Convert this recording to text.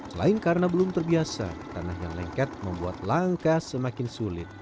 selain karena belum terbiasa tanah yang lengket membuat langkah semakin sulit